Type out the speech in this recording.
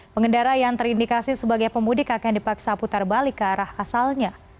pengendara yang terindikasi sebagai pemudik akan dipaksa putar balik ke arah asalnya